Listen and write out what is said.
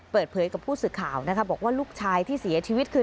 เปิดเผยกับผู้สื่อข่าวนะคะบอกว่าลูกชายที่เสียชีวิตคือ